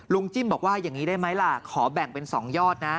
จิ้มบอกว่าอย่างนี้ได้ไหมล่ะขอแบ่งเป็น๒ยอดนะ